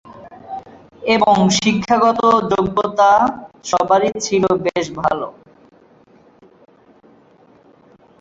এবং শিক্ষাগত যোগ্যতা সবারই ছিল বেশ ভালো।